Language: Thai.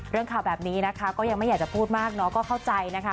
ข่าวแบบนี้นะคะก็ยังไม่อยากจะพูดมากเนาะก็เข้าใจนะคะ